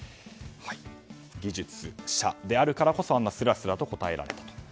技術者であるからこそすらすら答えられたと。